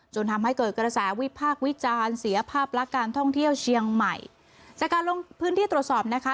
จนทำให้เกิดกระแสวิพากษ์วิจารณ์เสียภาพลักษณ์การท่องเที่ยวเชียงใหม่จากการลงพื้นที่ตรวจสอบนะคะ